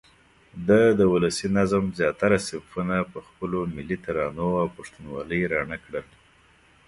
ده د ولسي نظم زیاتره صنفونه په خپلو ملي ترانو او پښتونوالې راڼه کړه.